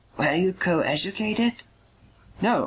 "Were you co educated?" "No.